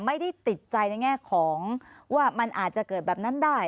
ไม่ได้ติดใจในแง่ของว่ามันอาจจะเกิดแบบนั้นได้